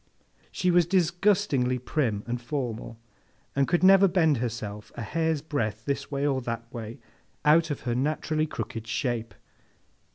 She was disgustingly prim and formal, and could never bend herself a hair's breadth this way or that way, out of her naturally crooked shape.